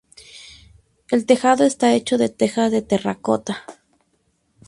El tejado esta hecho de tejas de terracota.